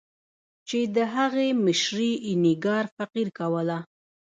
چې د هغې مشري اینیګار فقیر کوله.